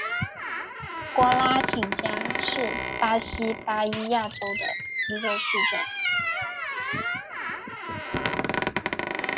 瓜拉廷加是巴西巴伊亚州的一个市镇。